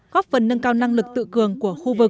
góp phần nâng cao năng lực tự cường của khu vực